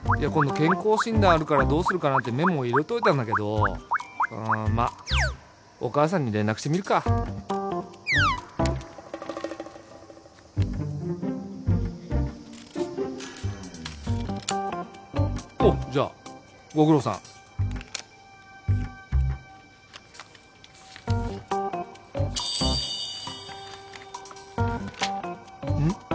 健康診断あるからどうするかなってメモを入れといたんだけどまっお母さんに連絡してみるかおっじゃあごくろうさんうん？